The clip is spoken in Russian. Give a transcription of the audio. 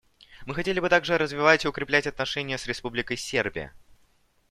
Мы хотели бы также развивать и укреплять отношения с Республикой Сербия.